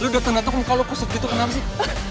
lo dateng dateng muka lo puset gitu kenapa sih